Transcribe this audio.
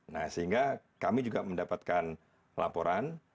nah sehingga kami juga mendapatkan laporan